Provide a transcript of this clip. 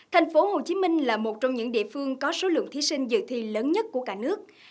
thành phố hồ chí minh là một trong những địa phương có số lượng thí sinh dự thi lớn nhất của cả nước